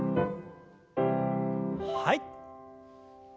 はい。